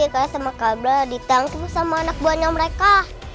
ke sama kabel ditangkap sama anak buahnya mereka